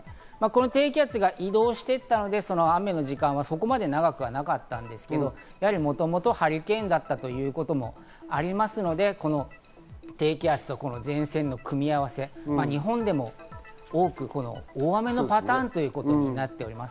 低気圧が移動して行ったので雨の時間はそこまで長くはなかったんですけど、やはり、もともとハリケーンだったということもありますので、この低気圧と前線の組み合わせ、日本でも大雨のパターンということになっております。